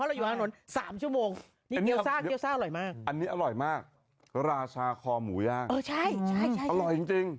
หรึอบาลหน้าระชาคอหมูยากอร่อยจริง